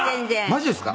「マジですか？」